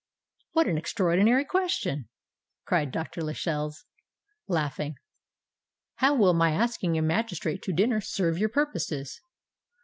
"What an extraordinary question!" cried Dr. Lascelles, laughing. "How will my asking a magistrate to dinner serve your purposes?"